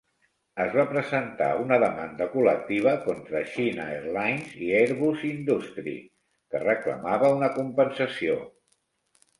Es va presentar una demanda col·lectiva contra China Airlines i Airbus Industrie que reclamava una compensació.